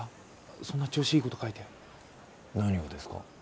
そんな調子いいこと書いて何をですか？